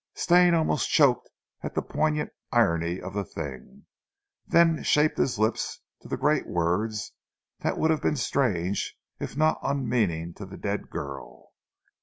Stane, almost choked at the poignant irony of the thing, then shaped his lips to the great words that would have been strange if not unmeaning to the dead girl.